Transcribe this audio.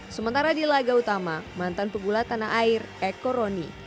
sementara di laga utama mantan pegula tanah air eko roni